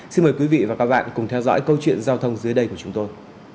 xin mời quý vị và các bạn cùng theo dõi câu chuyện giao thông dưới đây của chúng tôi